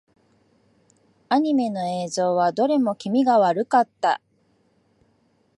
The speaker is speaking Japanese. アニメの映像はどれも気味が悪かった。